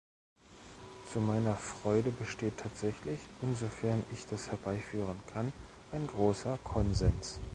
Zu meiner Freude besteht tatsächlich, insofern ich das herbeiführen kann, ein großer Konsens.